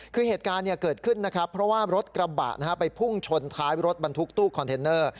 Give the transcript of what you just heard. คือเหตุการณ์เกิดขึ้นนะครับเพราะว่ารถกระบะไปพุ่งชนท้ายรถบรรทุกตู้คอนเทนเนอร์